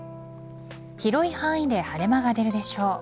広い範囲で晴れ間が出るでしょう。